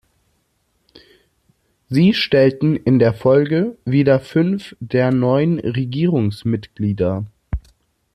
Sie stellten in der Folge wieder fünf der neun Regierungsmitglieder.